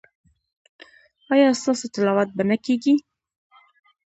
ایا ستاسو تلاوت به نه کیږي؟